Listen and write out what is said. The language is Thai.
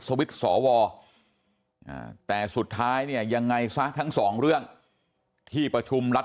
สวิตช์สวแต่สุดท้ายเนี่ยยังไงซะทั้งสองเรื่องที่ประชุมรัฐ